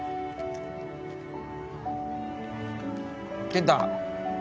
健太。